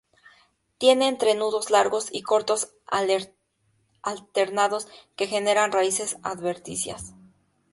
Tiene entrenudos largos y cortos alternados que generan raíces adventicias.